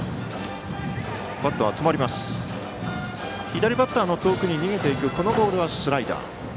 左バッターの遠くに逃げていくボールはスライダー。